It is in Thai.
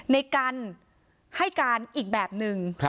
ในกันให้การอีกแบบนึง